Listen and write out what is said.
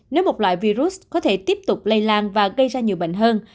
nếu một loại virus có thể tiếp tục lây lan và gây ra nhiều bệnh hơn